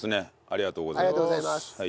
ありがとうございます。